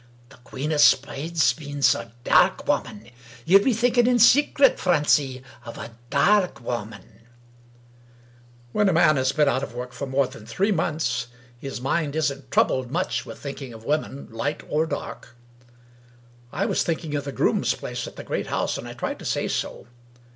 " The Queen o' Spades means a dairk woman. Ye'U be thinking in secret, Francie, of a dairk woman ?" When a man has been out of work for more than three months, his mind isn't troubled much with thinking of women — ^light or dark. I was thinking of the groom's place at the great house, and I tried to say so.